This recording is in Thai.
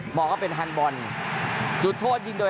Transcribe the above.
โหม่งก็เป็นฮันบอลจุดโทษยิงโดย